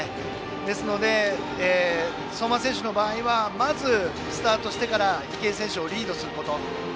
ですので、相馬選手の場合はまず、スタートしてから池江選手をリードすること。